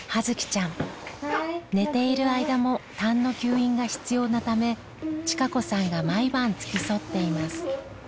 寝ている間もたんの吸引が必要なため千香子さんが毎晩付き添っています。